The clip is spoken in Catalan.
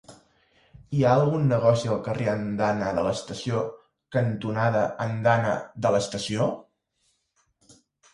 Hi ha algun negoci al carrer Andana de l'Estació cantonada Andana de l'Estació?